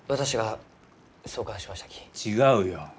違うよ。